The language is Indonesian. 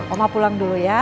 oma pulang dulu ya